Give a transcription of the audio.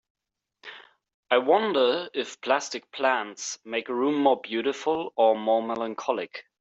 I wonder if plastic plants make a room more beautiful or more melancholic.